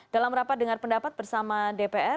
dalam rapat dengan pendapat bersama dpr